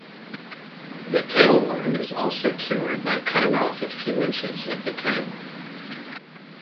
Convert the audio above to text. The tailworm is also cured by cutting off a few inches of the tail